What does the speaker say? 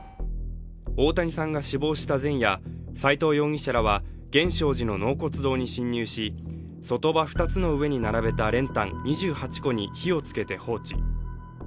大谷さんが死亡した前夜、斉藤容疑者らは源証寺の納骨堂に侵入し、卒塔婆２つの上に並べた練炭２８個に火をつけて放置。